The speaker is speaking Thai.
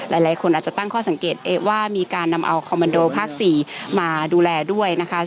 หลายคนอาจจะตั้งข้อสังเกตว่ามีการนำเอาคอมมันโดภาค๔มาดูแลด้วยนะคะ